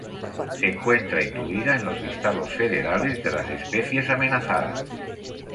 Se encuentra incluida en los listados federales de las especies amenazadas.